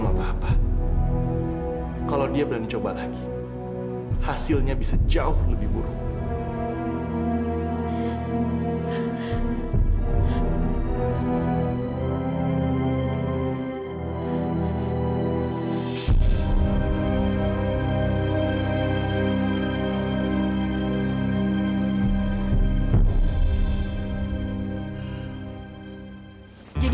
gue bukan tukang ojek